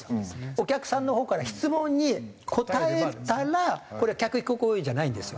お客さんのほうから質問に答えたらこれは客を引く行為じゃないんですよ